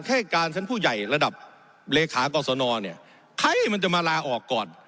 แค่การชั้นผู้ใหญ่ระดับเลขากรสนเนี่ยใครมันจะมาลาออกก่อน